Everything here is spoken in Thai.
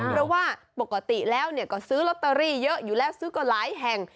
เพราะว่าปกติแล้วก็ซื้อลอตเตอรี่เยอะอยู่แล้วซื้อก็หลายแห่ง